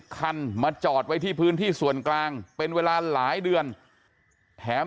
คันมาจอดไว้ที่พื้นที่ส่วนกลางเป็นเวลาหลายเดือนแถม